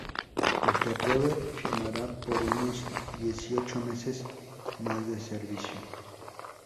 El que apruebe firmará por unos dieciocho meses más de servicio.